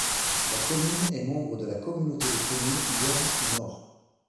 La commune est membre de la Communauté de Communes Yonne-Nord.